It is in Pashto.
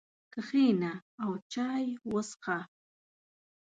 کښېنه او چای وڅښه.